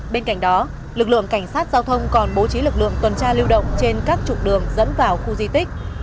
bên cạnh đó lực lượng cảnh sát giao thông còn bố trí lực lượng tuần tra lưu động trên các trục đường dẫn vào khu di tích